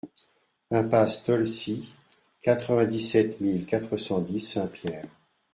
Impasse Toolsy, quatre-vingt-dix-sept mille quatre cent dix Saint-Pierre